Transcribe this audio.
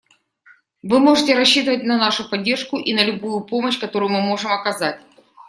Вы можете рассчитывать на нашу поддержку и на любую помощь, которую мы можем оказать.